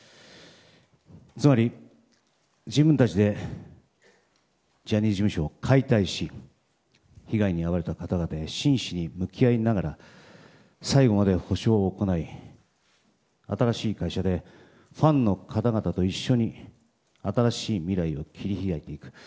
つまり、自分たちでジャニーズ事務所を解体し被害に遭われた方々へ真摯に向き合いながら最後まで補償を行い新しい会社でファンの方々と一緒に新しい未来を切り開いていく。